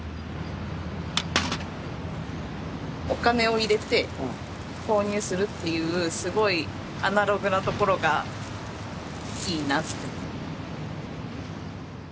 ・お金を入れて購入するっていうすごいアナログなところがいいなって。